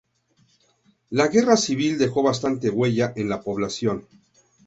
La Guerra Civil dejó bastante huella en la población.